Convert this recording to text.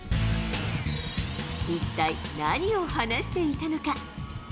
一体何を話していたのか。